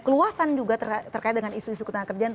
keluasan juga terkait dengan isu isu ketenaga kerjaan